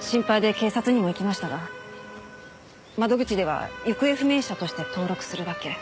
心配で警察にも行きましたが窓口では行方不明者として登録するだけ。